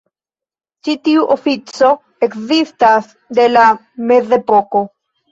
Ĉi tiu ofico ekzistas de la mezepoko.